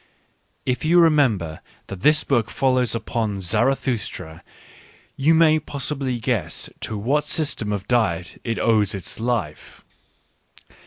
If you remember that this book follows upon Zarathustra, you may possibly guess to what system of diet it owes its life.